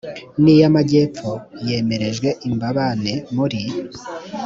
n iy amajyepfo yemerejwe i mbabane muri